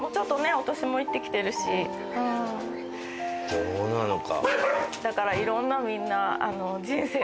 そうなのか。